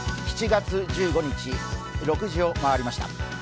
７月１５日、６時を回りました。